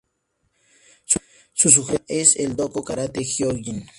Su sugerencia es el Dojo Karate Gyojin.